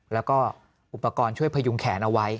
แล้วก็อุปกรณ์ช่วยพยุงแขนเอาไว้